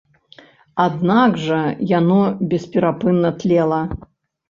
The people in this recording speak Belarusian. Аднак жа яно бесперапынна тлела.